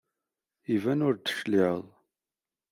Iban ur d-tecliɛeḍ.